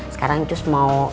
sekarang cus mau